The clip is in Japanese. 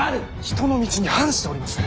人の道に反しております！